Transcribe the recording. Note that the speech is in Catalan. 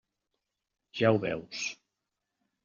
Ja ho veus.